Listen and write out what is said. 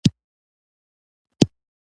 هلک ور ږغ کړل، پاس د غرونو په رګونو کې